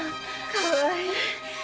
かわいい。